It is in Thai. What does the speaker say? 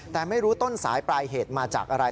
แต่ไม่รู้ต้นสายปลายเหตุมาจากอะไร